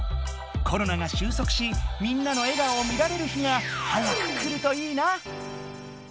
コロナがしゅうそくしみんなの笑顔を見られる日が早く来るといいな。